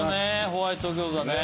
ホワイト餃子ね